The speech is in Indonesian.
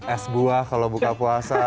es buah kalau buka puasa